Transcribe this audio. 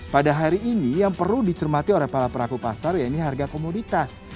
pada hari ini yang perlu dicermati oleh para pelaku pasar ya ini harga komoditas